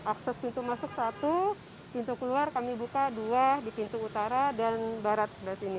akses pintu masuk satu pintu keluar kami buka dua di pintu utara dan barat ini